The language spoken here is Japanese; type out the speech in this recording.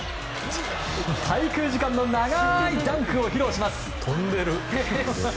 滞空時間の長いダンクを披露します！